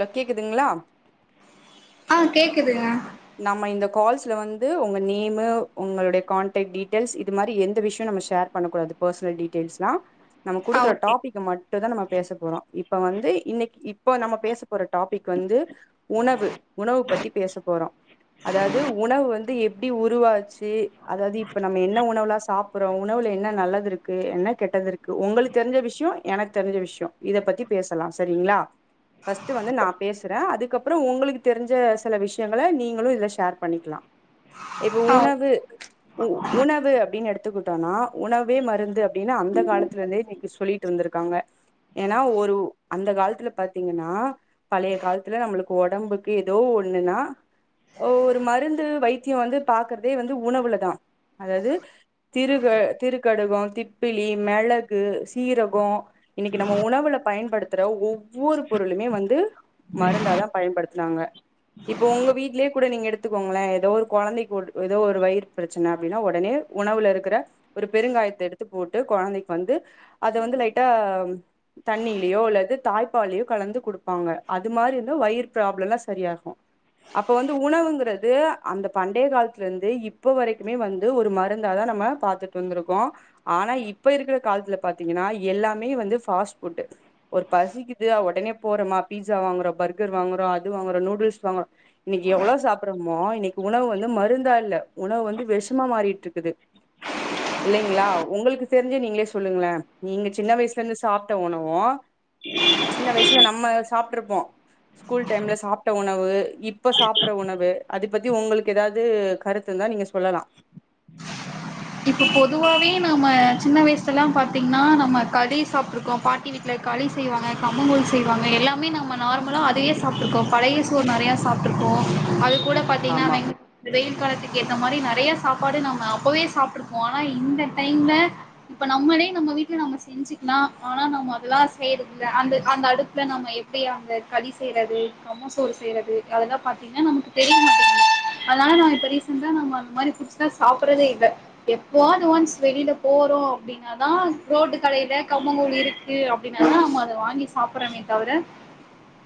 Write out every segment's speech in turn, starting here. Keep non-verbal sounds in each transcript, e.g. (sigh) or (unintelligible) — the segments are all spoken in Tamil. ல கேக்குதுங்ளா ஆ கேக்குதுங்க நம்ம இந்த கால்ஸ்ல வந்து உங்க நேமு உங்களுடைய கான்டக்ட் டீட்டெய்ல்ஸ் இது மாரி எந்த விஷயு நம்ம ஷேர் பண்ணக்கூடாது பர்சனல் டீட்டெயில்ஸ்ல்லா நம்ம ஆ குடுக்குற ஓகே டாபிக் மட் இப்ப தா நம்ம பேச போறோ இப்ப வந்து இன்னைக் இப்ப நம்ம பேச போற டாபிக் வந்து உணவு உணவு பத்தி பேச போறோ அதாவ்து உணவு வந்து எப் எப்டி உருவாச்சு அதாவ்து இப்ப நம்ம என்ன உணவல்லா சாப்புறோ உணவுல என்ன நல்லதுருக்கு என்ன கெட்டதுருக் கு உங்களுக் தெரிஞ்ச விஷயொ எனக்கு தெரிஞ்ச விஷயொ இத பத்தி பேசலா சரிங்ளா ஃபஸ்டு வந்து நா பேசுறே அதுக்கப்புறம் உங்களுக்கு தெரிஞ்ச சில விஷயங்கள நீங்க களு இதுல ஷேர் பண்ணிக்லா இப்ப ஆ ஓகே உணவு உ உணவு அப்டின் எடுத்துக்கிட்டோனா உணவே மருந்து அப்டின்னு அந்த காலத்துலருந்தே இன்னைக்கு சொல்லிட் ருந்திருக்காங்க ஏன்னா ஒரு அந்த காலத்துல பாத்தீங்கன்னா பழைய காலத்துல நம்மளுக்கு ஒடம்புக்கு எதோ ஒண்ணுன்னா ஒரு மருந்து வைத்தியொ வந்து பாக்குறதே வந்து உணவுலதா அதாவ்து திருக திருக்கடுகொ திப்பிலி மெளகு சீரகொ இன்னக்கி நம்ம உணவுல பயன்படுத்துற ஒவ்வொரு பொருளுமே வந்து மருந்தா தா பயன்படுத்துனாங்க இப்ப ஒங்க வீட்லயே கூட நீங்க எடுத்துக்கோங்களே எதோ ஒரு கொழந்தைக்கு எதோ ஒரு வயிறு பிரச்சன அப்டின்னா ஒடனே உணவுலருக்ற ஒரு பெருங்காயத்த‌ எடுத்து போட்டு கொழந்தைக்கு வந்து அத வந்து லைட்டா தண்ணிலியோ அல்லது தாய்ப்பால்லயோ கலந்து குடுப்பாங்க அது மாரி இருந்தா வயிறு ப்ராப்ளோல்லா சரியாகு அப்ப வ உணவுங்றது அந்த பண்டைய காலத்லந்தே இப்ப வரைக்குமே வந்து ஒரு மருந்த தா நம்ம பாத்துட் டு‌ந்துருக்கோ ஆனா இப்ப இருக்கிற காலத்துல பாத்தீங்கன்னா எல்லாமே வந்து ஃபாஸ்ட் ஃபுட்டு ஒரு பசிக்கிதா ஒடனே போறமா பீஸா வாங்குறோ பர்கர் வாங்குறோ அது வாங்குறோ நூடுல்ஸ் வாங்குறோ இன்னிக்கி எவ்ளோ சாப்புறோ அம்மா இன்னக்கி உணவு வந்து மருந்தா இல்ல உணவு வந்து வெஷமா மாறிட்ருக்குது இல்லைங்ளா ஒங்களுக்கு தெரிஞ்சா நீங்ளே சொல்லுங்ளே நீங்க சின்ன வயசுலந்து சாப்ட்ட உணவு சின்ன வய்சுல நம்ம சாப்ட்ருப்போ ஸ்கூல் டைம்ல சாப்ட்ட உணவு இ ப்ப சாப்புற உணவு அது பத்தி ஒங்களுக்கு எதாது கருத்து இருந்தா நீங்க சொல்லலா இப்போ பொதுவாவே நம்ம சின்ன வய்சுல்லா பாத்தீங்கன்னா நம்ம களி சாப்ட்டுருக்கோ பாட்டி வீ ட்ல களி செய்வாங்க கம்மங்கூழ் செய்வாங்க எல்லாமே ந ம்ம நார்மலா அதயே சாப்ட்டுருக்கோ பழைய சோறு நறையா சாப்ட்ருக்கோ அது கூட பாத்தீங்கன்னா ஆமா வெங் இந்த வெயில் காலத்துக்கு ஏத்த மாரி நறைய சாப்பாடு நம்ம அப்பவே சாப்ட்ருப்போ ஆனா இந்த டைம்ல இப்ப நம்மளே நம்ம வீட்ல நம்ம செஞ்சுக்லா நா ஆனா நாம அதல்லா செய்றதில்ல அந்த அந்த அடுப்புல நம்ம எ ப்டி அந்த களி செய்றது கம்மசோறு செய்றது அதெல்லா பாத்தீங்கன்னா நமக்கு தெரியமாட்டிங்கிது அதனால நாங்க இப்ப ரீசண்ஸ்ஸா நம்ம அந்த மாரி ஃபுட்ஸ்ல்லா சாப்புறதே இல்ல எப்போவாது ஒன்ஸ் வெளில போறோ அப்டின்னா தா ரோட்டு கடைல கம்மங்கூழ் இரு க்கு அப்டின்னா தா நம்ம அத வாங்கி சாப்புறமே தவிர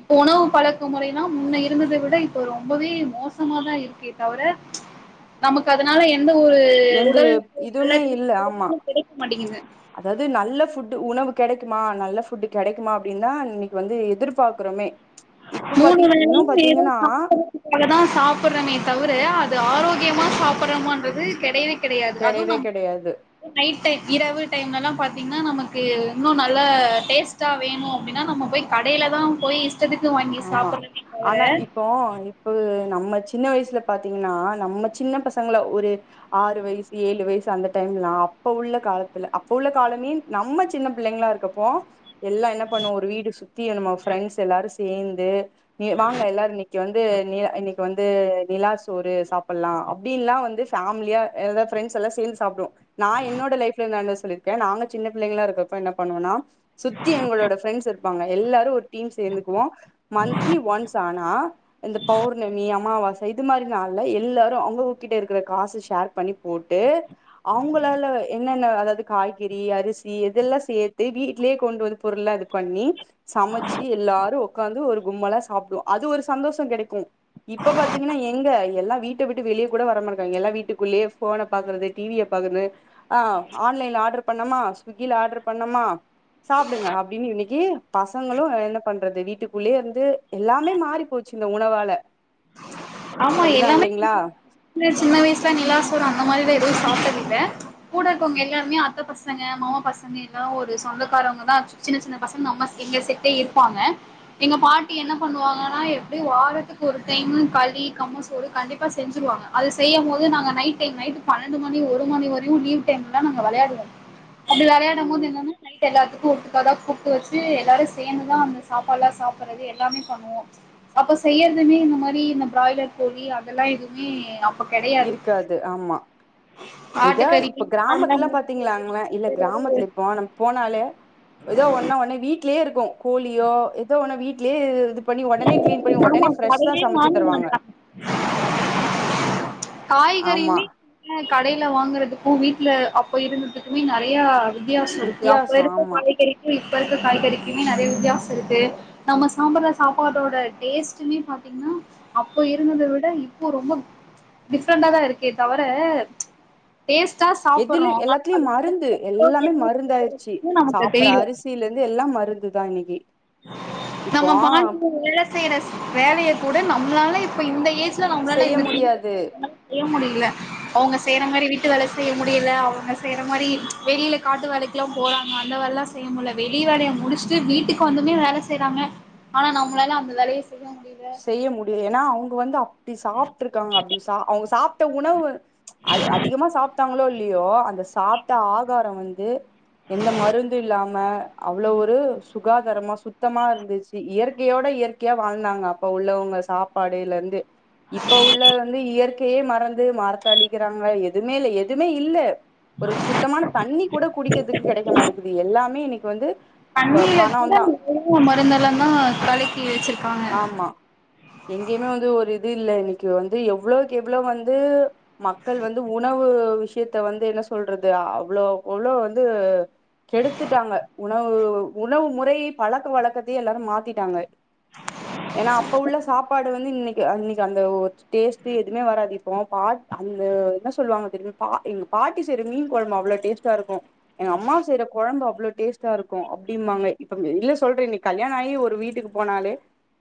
இப்ப உணவு பழக்க முறைன்னா முன்ன இருந்தத விட இப்ப ரொம்பவே மோசமாதா இருக்கே தவிர (inaudible) நமக்கு அதனால எந்த ஒரு எந்த உடல்க்கு நல்ல இதுவுமே எதுவு கிடைக்க மாட்டேங்கிது அதாவ்து நல்ல ஃபுட்டு உணவு கெடைக்குமா நல்ல ஃபுட்டு கெடைக்குமா அப்டின்னா இன்னக்கி வந்து எதிர்பாக்குறமே இப்ப பாத்தீங் இன்னு பாத்தீங்கன்னா (unintelligible) தா சாப்புறமே தவிர அது ஆரோக்யமா சாப்புறமான்றது கெடயவே கெடயாது அதுவு கெடையவே நம் கெடையாது நைட் டைம் இரவு டைம்லெல்லா பாத்தீங்கன்னா நமக்கு இன்னு நல்லா டேஸ் ட்டா வேணு அப்படின்னா நம்ம போய் கடைல தா போய் இஷ்டத்துக்கு வாங்கி சாப்புறமே தவிர (unintelligible) ப்ப நம்ம சின்ன வய்சுல பாத்தீங்கன்னா நம்ம சின்ன பசங்ளா ஒரு ஆறு வய்சு ஏழு வய்சு அந்த டைம்லல்லா அப்ப உள்ள காலத்துல அப்ப உள்ள காலமே நம்ம சின்ன பிள்ளைங்ளாருக்கப்போ எல்லா என்ன பண்ணுவோ ஒரு வீடு சுத்தி நம்ம ஃப்ரெண்ட்ஸ் எல்லாரு சேந்து நீ வாங்க எல்லாரு இன்னக்கி வந்து நீ இன்னை வந்து நிலா சோறு சாப்புலா அப்டின்ல்லா வந்து ஃபேம்லியா எதா ஃப்ரண்ட்ஸ்ஸெல்லா சேந்து சாப்டுவோ நா என்னோட லைஃப்ல நடந்தது சொல்லிருக்கே நாங்க சின்ன பிள்ளைங்ளா இருக்கப்ப என்ன பண்ணுவோன்னா சுத்தி எங்களோட ஃப்ரெண்ட்ஸ் இருப்பாங்க எல்லாரு ஒரு டீம் சேந்து க்குவோ மன்த்லி ஒன்ஸ் ஆனா இந்த பௌர்ணமி அமாவாச இது மாரி நாள்ல எல்லாரு அவங்கவுங்ககிட்ட இருக்ற காச ஷேர் பண்ணி போட்டு அவுங்களால எ ன்னென்ன அதாவாது காய்கறி அரிசி எதெல்லா சேர்த்து வீட்லயே கொண்டு வந்து பொருள்லா இது பண்ணி சமைச்சி எல்லா ஒரு கும்மலா சாப்டுவோ அது ஒரு சந்தோஷம் கிடைக்கு இப்ப பாத்தீங்கன்னா எங்க எல்லா வீட்டவிட்டு வெளிய கூட வரமாட்டுகாங்க எல்லா வீட்டுக்குள்ளயே போன பாக்குறது டிவிய பாக்குறது ஆ ஆன்லைன்ல ஆர்டர் பண்ணமா ஸ்விக்கில ஆர்டர் பண்ணமா சாப்டுங்க அப்டின்னு இன்னிக்கி பசங்களு என்ன பண் றது வீட்டுக்குள்ளேயே இருந்து எல்லாமே மாறி போச்சு இந்த உணவால ஆமா அப்டிதா எல்லாமே இல்லைங்களா சின்ன வயசுல நிலா சோறு அந்த மாரிலா எதுவு சாப்டதில்ல கூட இருக்கவங்க எல்லாருமே அத்த பசங்க மாமா பசங்க எல்லாரு ஒரு சொந்தக்காரவங்க தா ஆச்சு சின்ன சின்ன பசங்க அம்மா எங்க செட்டே இருப்பாங்க எங்க பாட்டி என்ன பண்ணுவாங்கன்னா எப்டியு வாரத்துக்கு ஒரு டைமு க ளி கம்ம சோறு கண்டிப்பா செஞ்சுடுவாங்க அது செய்யும் போது நாங்க நைட் டைம் நைட்டு பன்னெண்டு மணி ஒரு மணி வரையு லீவ் டைம்லா நாங்க விளையாடுவோ அப்படி விளையாடும்போது ம் என்னன்னா நைட் எல்லாத்துக்கு ஒட்டுகாதா கூப்ட்டு வச்சு எல்லாரு சேர்ந்துதா அந்த சாப்பாடு எல்லா சாப்புடுறது எல்லாமே பண்ணுவோ அப்ப செய்யறதுமே இந்த மாரி இந்த பிராய்லர் கோழி அதெல்லா எதுவுமே கெடையாது இருக்காது ஆமா எதா ஆட்டுக்கறி இப்ப நார்மலா கிராமத்துல பார்த்தீங்ளாங்ளே இல்ல கிராமத்துல இப்போ நம் போனாலே ஏதோ ஒன்னா உன்னே வீட்லயே இருக்கு கோழியோ ஏதோ ஒன்னு வீட்டிலே இது பண்ணி உடனே கிளீன் பண்ணி உடனே ஃப்ரெஷா சமச்சு தருவாங்க ஆமா காய்கறியுமே என்ன கடையில வாங்குறதுக்கு வீட்ல அப்ப இருந்ததுக்குமே நறையா வித்தியாசம் இருக்கு அப்ப வித்தியாசோ இருக்க ஆமா காய்கறி இப்ப இருக்குற காய்கறிக்குமே நறைய வித்தியாசம் இருக்கு நம்ம சாம்பர சாப்பாடோட டேஸ்ட்டுமே பாத்தீங்னா அப்ப இருந்தத விட இப்போ ரொம்ப டிஃப்ரெண்டா தா இருக்கே தவர டேஸ்ட்டா சாப்பர்றோ எதுல ஆனா எல்லாத்துலயு அது மருந்து வந்துட்டு எல்லாமே ஆரோக்கியமா (inaudible) நமக்கு தெரில தண்ணில இருந்து எல்லா மருந்துதா இன்னைக்கி நம்ம பாட்டிங்க வேல செய்யற வேலைய கூட நம்மளால இப்ப இந்த ஏஜ் நம்மளால செய்ய இந்த சிறிய முடியாது ஏஜ்ல (inaudible) செய்ய முடியல அவங்க செய்யற மாரி வீட்டு வேல செய்ய முடியல அவங்க செய்யற மாரி வெளில காட்டு வேலைக்குலாம் போறாங்க அந்த வேலல்லா செய்யமுள்ள வெளி வேல முடிஸ்ட்டு வீட்டு க்கு வந்துமே வேல செய்றாங்க ஆனா நம்பளால அந்த வேலய செய்ய முடில செய்ய முடியு ஏனா அவுங்க வந்து அப்டி சாப்ட்ருக்காங்க அப்டி அவுங்க சாப் ட உணவு அது அதிகமா சாப்ட்டாங்ளோ இல்லியோ அந்த சாப்ட்ட ஆகார வந்து எந்த மருந்து இல்லாம அவ்ளோ ஒரு சுகாதாரமா சுத்தமா இருந்துச் இயற்கையோட இயற்கையா வாழ்ந்தாங்க இப்ப உள்ளவங்க சாப்பாடுலந்து இப்ப உள்ள வந்து இயற் கைய மறந்து மாரத்த அழிகுறாங்க எதுமே இல்ல எதுமே இல்ல ஒரு சுத்தமான தண்ணி கூட குடிக்கெதுக்கு கெடக்க மாட்டிக்குது எல்லாமே இன்னக்கி வந்து தண்ணில கூட பணோந்தா எவ்ளோவோ மருந்தெல்லா தா கலக்கி வச்சிருக்காங்க எங்கேமே வந்து ஒரு இது இல்ல இன்னக்கி வந்து எவ்ளோக்கு எவ்ளோ வந்து மக்கள் வந்து உணவு விஷயத்த வந்து என்ன சொல்றது அவ்ளோக்கு அவ்ளோ வந்து கெடுத்துட்டாங்க உணவு உணவு முறை பழக்க வழக்கத்தையே எல்லாரு மாத்திட்டாங்க ஏனா அப்ப உள்ள சாப்பாடு வந்து இன்னக்கி இன்னக்கி அந்த ஒரு டேஸ்ட்டு எதுமே வராது இப்போ பாட் அந்த என்ன சொல்வாங்க தெரிமா பா எங் பாட்டி செய்ற மீன் கொழம்பு அவ்ளோ டேஸ்ட்டா இருக்கு எங்க அம்மா செய்யற கொழம்பு அவ்ளோ டேஸ்டா இருக்கு அப்டிம்பாங்க இப்ப இல்ல சொல்ற இன் கல்யாணோ ஆயி ஒரு வீட்டுக்கு போனாலே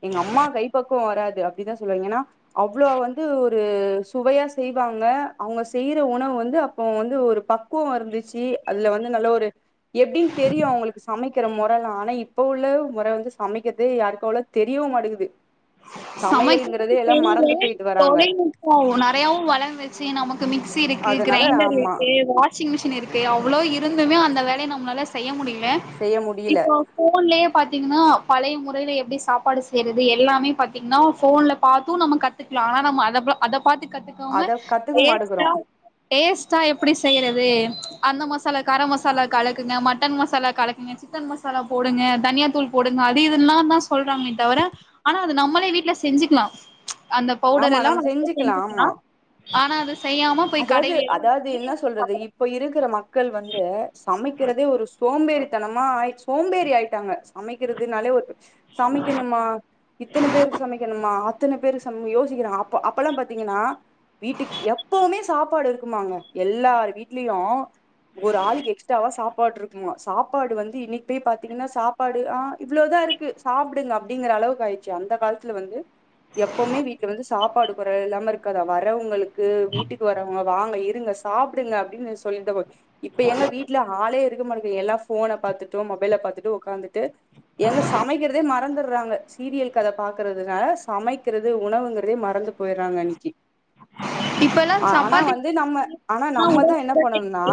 எங்க அம்மா கைப்பக்குவோ வராது அப்டிதா சொல்லுவாய்ங்க ஏனா அவ்ளோ வந்து ஒரு சுவையா செய்வாங்க அவுங்க செய்ற உணவு வந்து அப்போ வந்து ஒரு ப க்குவோ இருந்துச்சு அதுல வந்து நல்ல ஒரு எப்டின் தெரியு அவுங்ளுக்கு சமக்கிற மொறல்லா ஆனா இப்ப உள்ள மொற வந்து சமைக்கது யாருக்கவ்ளோ தெரியவு மாட்டகுது சமைக்கவு தெரில போயிட்டு வராங்க தொழில்நுட்போ நெறயாவு வளர வெச்சு நமக்கு மிக்சி இருக்கு அதனால கிரைண்டர் ஆமா இருக்கு வா ஷிங் மெஷின் இருக்கு அவ்ளோ இருந்துமே அந்த வேலய நம்ளால செய்ய முடில செய்ய முடில ஃபோன்லயே பாத்தீங்கனா பழைய முறைல எப்டி சாப்பாடு செய்றது எல்லாமே பாத்தீங்னா ஃபோன்ல பாத்து நம்ம கத்துக்லா ஆனா நம்ம அதல அத பாத்து கத்து காம அத கத்துக்க மாட்டுக்குறோ டேஸ்டா எப்டி செய்யறது அந்த மசாலா கரோ மசாலா கலக்குங்க மட்டன் மசாலா கலக்குங்க சிக்கன் மசாலா போடுங்க தன்யா தூள் போடுங்க அது இதுல்லான்தா சொல்றாங்ளே தவிர ஆனா அது நம்மளே வீட்ல செஞ்சுக்லா அந்த பவுடர் ஆமா எல்லா நம்ம நம்மளே செஞ்சுக்கலா செஞ்சுக்லா ஆமா ஆனா அத செய்யாம போய் அதாவது கடையிலலா அதாவது என்ன சொல்றது இ இப்ப இருக்கற மக்கள் வந்து சமக்கிறதே ஒரு சோம்பேறித்தனமா ஆயிச் சோம்பேறி ஆயிட்டாங்க சமைக்கிறதுனாலே ஒரு சமைக்கனு மா இத்தன பேருக்கு சமக்கணுமா அத்தன பேரு சமை யோசிகிறான் அப் அப்பல்லா பாத்தீங்னா வீட்டுக் எப் சாப்பாடு இருக்குமாங்க எல்லார் வீட்லயு ஒரு ஆளுக்கு எக்ஸ்ட்ராவா சாப்பாடுரு க்குமா சாப்பாடு வந்து இன்னைக்கு போய் பாத்தீங்கன்னா சாப்பாடு ஆ இவ்ளோதா இருக்கு சாப்டுங்க அப்டிங்கற அளவுக் ஆயி ருச்சு அந்த கால்த்துல வந்து எப்பவுமே வீட்ல வந்து சாப்பாடு குறைவு இல்லாம இருக்காதா வர்றவங்ளுக்கு வீ ட்டுக்கு வர்றவங்க வாங்க இருங்க சாப்டுங்க அப்டினு சொல்லிதபோ இப்ப எங்க வீட்ல ஆளே இருக்க மாட்டி எல்லா ஃபோன பாத்துட்டு மொபைல பாத்துட்டு ஒக்காந்துட்டு ஏங்க சமக்கிறதே மறந்துர்றாங்க சீரியல் கத பாக்றதுனால சமக்கிறது உணவுங்றதே மறந்து போய்றாங்க அன்னைக்கி இப்ப எல்லா ஆ ஆனா சப்பாத்தி வந்து நம்ம ஆனா நம்மதா என்ன பண்ணணுனா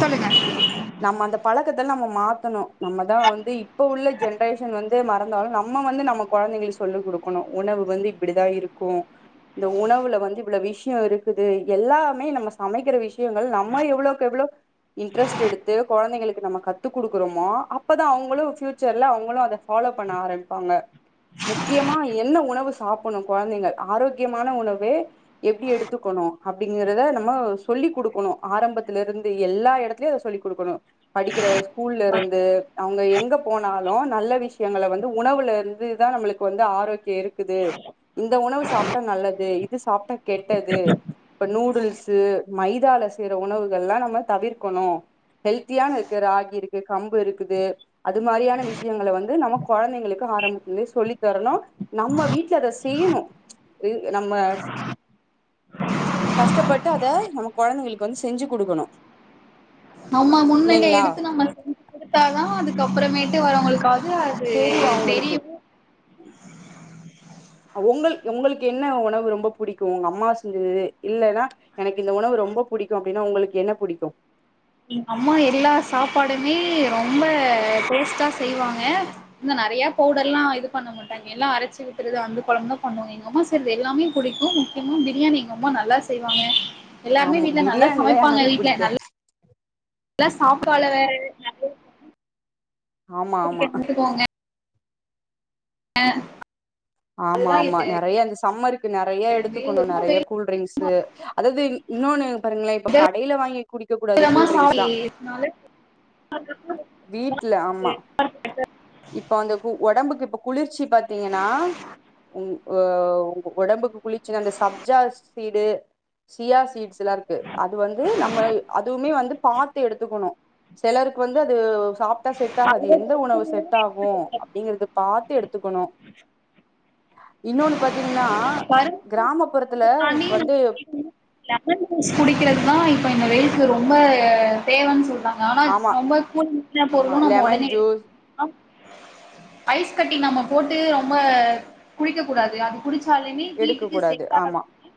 சொல்லுங்க நம்ம அந்த பழக்கத்த நம்ம மாத்தணு நம்மதா வந்து இப்ப உள்ள ஜென்ரேஷன் வந்து மறந்தாலு நம்ம வந்து நம்ம கொழந்தைங்களுக்கு சொல்லி குடுக்குணு உணவு வந்து இப்டிதா இருக்கு இந்த உணவுல வந்து இவ்ளோ விஷ்யோ இருக்குது எல்லாமே நம்ம சமைக்கிற விஷ்யங்கள் நம்ம எவ்ளோக் எவ்ளோ இன்ட்ரெஸ்ட் எடுத்து கொழந்தைங்களுக்கு நம்ம கத்துக் குடுக்கறோமோ அப்பதா அவுங்களு ஃபூயூச்சர்ல அவுங்களு அத ஃபாலோ பண்ண ஆரம்பிப்பாங்க முக்கியமா நீ என்ன உணவு சாப்புணு கொழந்தைங்க ஆரோக்கியமான உணவே எப்டி எடுத்துக்குணு அப்டிங்கறத நம்ம சொல்லி குடுக்கணு ஆரம்பத்திலருந்து எல்லா எடத்துலயு அத சொல்லி குடுக்கணு படிக்கிற ஸ்கூல்லருந்து அவுங்க எங்க போனாலு நல்ல விஷ்யங்கள வந்து உணவுல இருந்துதா நம்ள்க் கு வந்து ஆரோக்கியோ இருக்குது இந்த உணவு சாப்ட்டா நல்லது இது சாப்ட்டா கெட்டது இப்ப நூடுல்ஸு மைதால செய்யற உணவுகள எல்லா நம்ம தவிர்க்கணு ஹெல்த்தியா இந்த ராகி இருக்கு கம்பு இருக்குது அது மாரியான விஷ்யங்கள வந்து நம்ம கொழந்தைங்களுக்கு ஆரம்பத்துலருந்தே சொல்லித்தரணு நம்ம வீட்ல அத செய்யணு நம்ம கஷ்டப்பட்டு அத நம்ம கொழந்தைகளுக்கு வந்து செஞ்சு குடுக்கணு நம்ம முன்னிலைய இல்லைங்களா எடுத்து நம்ம செஞ்சு குடுத்தாதா அதுக்கு அப்பறமேட்டு வரவங்களுக்காவது இது தெரியு ம் உங்கள் உங்களுக்கு என்ன உணவு ரொம்ப பிடிக்கு உங்க அம்மா செஞ்சது இல்லன்னா எனக்கு இந்த உணவு ரொம்ப பிடிக்கு அப்டின்னா உங்களுக்கு என்ன புடிக்கு எங்க அம்மா எல்லா சாப்பாடுமே ரொம்ப டேஸ்டா செய்வாங்க இந்த நெறையா பவுடர்ல்லா இது பண்ண மாட்டாங்க எல்லா அரைச்சி விட்டுறது அந்த கொழம்பு தா பண்ணுவாங்க எங்க அம்மா செய்றது எல்லாமே புடிக்கு முக்கியமா பிரியாணி எங்கம்மா நல்லா செய்வாங்க எல்லாருமே ஆமா வீட்ல நல்லா பிரியாணிதா சமைப்பாங்க யாருக்கு வீட்ல புடிக்காது நல் லா சாப்பால வேற நெறய ஆமா ஆமா கிரிக்கெட் முட்டு போங்க ஆமா ஆமா நெறைய இந்த சம்மருக்கு நெறைய எடுத்துக்கணு சீக்கிரமா நெறைய கூல்டிரிங்க்ஸு அதாவது இன்னொன்னு பாருங்களே இப்ப கடைல வாங்கி குடிக்க கூடாது கூல்டிரிங் யே சும்மாவே அது எப்டி வீட்ல ஆமா இப்ப அந்த உடம்புக்கு இப்ப குளிர்ச்சி பாத்தீங்கன்னா ம் ஓ உடம்புக்கு குளிச்சின்னா அந்த சப்ஜா சீடு சியா சீட்ஸ்ல்லா இருக்கு அது வந்து நம்ம அதுவுமே வந்து பாத்து எடுத்துக்கணு சிலருக்கு வந்து அது சாப்ட்டா செட் ஆகாது எந்த கரும்பு உணவு செட் ஆகு அப்டிங்கிறத பாத்து எடுத்துக்கணு இன்னொன்னு பாத்தீங்கன்னா கிராமப்புறத்துல தாண்டி வந்து லெமன் ஜுஸ் குடிக்கிறதுதா இப்ப இந்த வெயிலுக்கு ரொம்ப தேவன்னு சொல்றாங்க ஆனா ஆமா ரொம்ப கூலிங்கான ஆமா பொருளு நம்ம லெமன் உடனே எடு ஜூஸ் ஆ ஐஸ் கட்டி நம்ம போட்டு ரொம்ப குடிக்க கூடாது அது குடிச்சாலுமே எடுக்க வீட்டுக்கு கூடாது செட் ஆமா ஆகாதுன்னு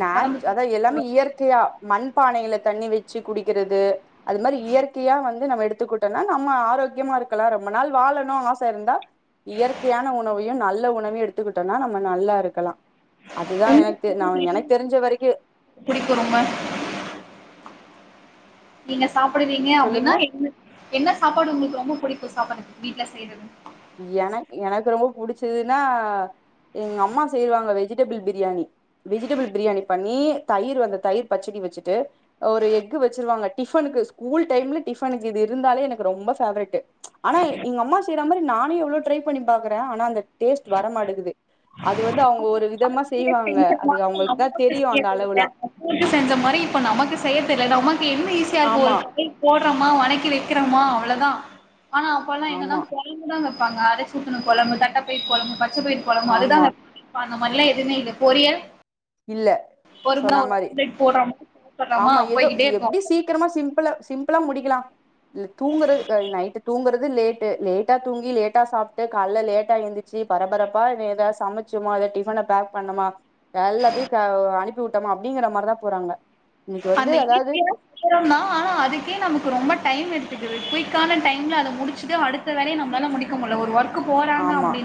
நா ஒடம்புக்கு அதா எல்லாமே இயற்கையா மண்பானையில தண்ணி வச்சு குடிக்கிறது அது மாரி இயற்கையா வந் து நம்ம எடுத்துக்கிட்டோன்னா நம்ம ஆரோக்கியமா இருக்கலா ரொம்ப நாள் வாழணு ஆச இருந்தா இயற்கையான உணவையு நல்ல உணவையு எடுத்துக்கிட்டோன்னா நம்ம நல்லா இருக்கலா அதுதா எனக்கு தெ நா எனக்கு தெரிஞ்ச வரைக்கு புடிக்கு ரொம்ப நீங்க சாப்டுவீங்க சொல்லுங்க அப்டின்னா என்ன என்ன சாப்பாடு உங்களுக்கு ரொம்ப பிடிக்கு சாப்பாடுக்கு வீட்ல செய்றது எனக் எனக்கு ரொம்ப புடிச்சதுன்னா எங்க அம்மா செய்வாங்க வெஜிடபிள் பிரியாணி வெஜிடபிள் பிரியாணி பண்ணி தயிர் வந்த தயிர் பச்சடி வச்சுட்டு ஒரு எஃக்கு வச்சிருவாங்க டிஃபனுக்கு ஸ்கூல் டைம்ல டிஃபனுக்கு இது இருந்தாலே எனக்கு ரொம்ப ஃபேவரட்டு ஆனா எங்க அம்மா செய்யற மாரி நானு எவ்ளோ ட்ரை பண்ணி பாக்குறே ஆனா அந்த டேஸ்ட் வரமாட்டக்குது அது வந்து அவங்க ஒரு விதமா நீங்க செய்வாங்க செஞ்ச அது அவங்களுக்கு தா தெரியு அந்த அளவுலா போட்டு செஞ்ச மாரி இப்ப நமக்கு செய்ய தெரியல நமக்கு என்ன ஈஸியா இருக்கு ஒரு ஆமா காய் போடுறமா வணக்கி வைக்கிறோமா அவ்ளதா ஆனா அப்பல்லா என்னன்னா ஆமா கொழம்புதா வப்பாங்க அரைச்சி ஊத்துன கொழம்பு தட்டப்பயிர் கொழம்பு பச்ச பயிர் கொழம்பு அதுதா ஆமா வப்பாங்க இப்ப அந்த மாதிரிலா எதுவுமே இல்ல பொரியல் இல்ல ஒரு முற சொன்ன ஒரு மாரி ஆம்லெட் போடுறோமா சாப்புடுறோமா ஆமா ஏதோ போய்கிட்டே இருக்கோ எப்டி சீட் சீக்கிரமா சிம்பிள சிம்பிளா முடிக்கலா ம் தூங்குறது அ நைட்டு தூங்கறது லேட் டு லேட்டா தூங்கி லேட்டா சாப்டு கால்ல லேட்டா எந்திச்சி பரபரப்பா இன்னு எதா சம ச்சோமா எதா டிபன பேக் பண்ணோமா எல்லாத்தையு ப வு அனுப்பி விட்டோமா அப்டிங்கிற மாரிதா போறாங்க இன்னைக்கு அந்த வந்து அதாவது ஈசியா சீக்கரந்தா ஆனா அதுக்கே நமக்கு ரொம்ப டைம் எடுத்துக்குது குயிக்கான டைம்ல அதது முடிச்சுட்டு அடுத் த வேலய நம்மளால முடிக்க முடில ஒரு ஒர்க் போறாங்க ஆமா அப்டின்